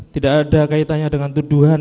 tidak ada kaitannya dengan tuduhan